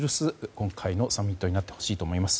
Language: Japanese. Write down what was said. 今回のサミットになってほしいと思います。